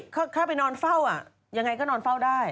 ถ้าไปนอนเฝ้ายังไงก็นอนเฝ้าได้